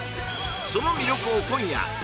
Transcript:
その魅力を今夜！